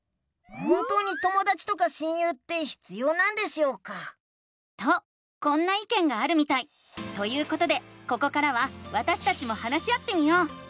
本当にともだちとか親友って必要なんでしょうか？とこんないけんがあるみたい！ということでここからはわたしたちも話し合ってみよう！